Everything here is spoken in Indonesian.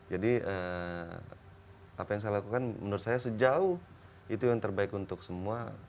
jadi apa yang saya lakukan menurut saya sejauh itu yang terbaik untuk semua